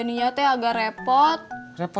tidak ada apa apa